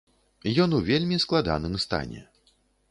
Ён у вельмі складаным стане.